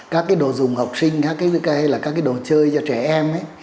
các đồ dùng học sinh hay các đồ chơi cho trẻ em